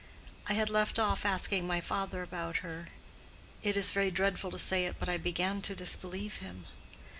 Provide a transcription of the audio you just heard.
I had left off asking my father about her. It is very dreadful to say it, but I began to disbelieve him.